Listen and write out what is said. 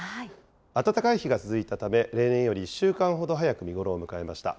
暖かい日が続いたため、例年より１週間ほど早く見頃を迎えました。